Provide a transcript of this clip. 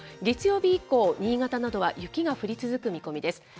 月曜日以降、新潟などは雪が降り続く見込みです。